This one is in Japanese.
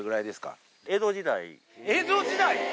江戸時代？